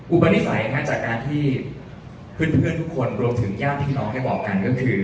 อุปนิสัยจากการที่เพื่อนทุกคนรวมถึงญาติพี่น้องได้บอกกันก็คือ